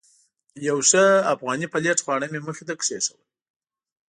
یو ښه افغاني پلیټ خواړه مې مخې ته کېښودل.